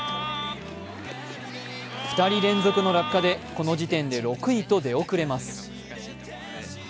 ２人連続の落下でこの時点で６位と出遅れます。